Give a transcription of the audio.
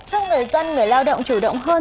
hơn người dân người lao động chủ động hơn